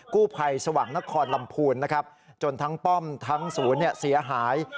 กู้ไพรสวังนครลำพูลจนทั้งป้อมทั้งศูนย์เสียหาย